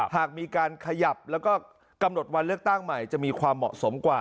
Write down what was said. หากมีการขยับแล้วก็กำหนดวันเลือกตั้งใหม่จะมีความเหมาะสมกว่า